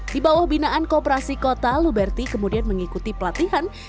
di bawah binaan kooperasi kota luberti kemudian mengikuti pelatihan